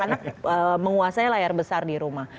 karena menguasai layar besar di rumah